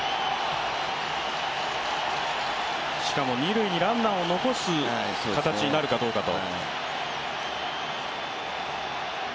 しかも二塁にランナーを残す形になるかどうかと。